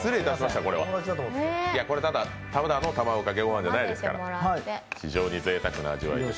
ただの卵かけご飯じゃないですから非常にぜいたくな味わいです。